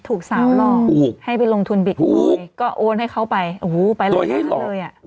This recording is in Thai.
ถูกสามหลอกให้ไปลงทุนบิ๊กด้วยก็โอนให้เขาไปโดยให้หลอก